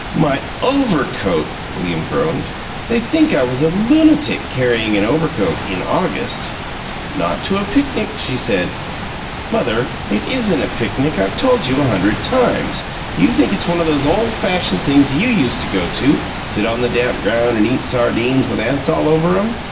"My overcoat!" William groaned. "They'd think I was a lunatic, carrying an overcoat in August!" "Not to a picnic," she said. "Mother, it isn't a picnic, I've told you a hunderd times! You think it's one those ole fashion things YOU used to go to sit on the damp ground and eat sardines with ants all over 'em?